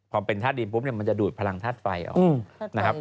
พอเป็นท่าดินปุ๊บเนี่ยมันจะดูดพลังท่าดฟัยออกนะครับ